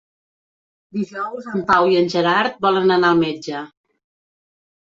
Dijous en Pau i en Gerard volen anar al metge.